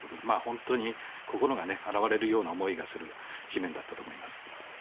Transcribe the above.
本当に心が洗われるような思いがする紙面だったと思います。